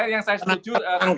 yang saya setuju